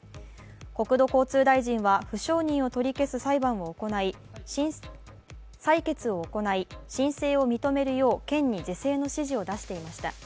国土交通大臣は不承認を取り消す裁決を行い申請を認めるよう県に是正の指示を出していました。